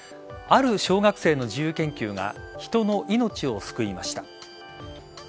ある小学生の自由研究が人の命を救いました。